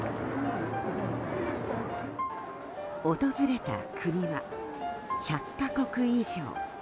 訪れた国は１００か国以上。